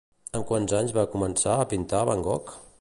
Amb quants anys va començar a pintar van Gogh?